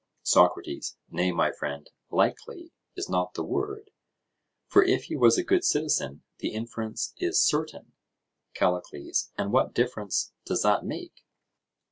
SOCRATES: Nay, my friend, "likely" is not the word; for if he was a good citizen, the inference is certain. CALLICLES: And what difference does that make?